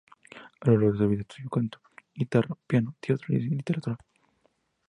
A lo largo de su vida estudió canto, guitarra, piano, teatro y literatura.